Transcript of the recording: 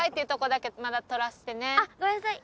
あっごめんなさい。